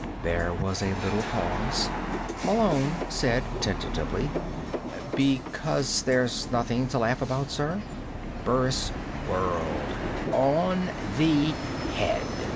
There was a little pause. Malone said, tentatively: "Because there's nothing to laugh about, sir?" Burris whirled. "On the head!"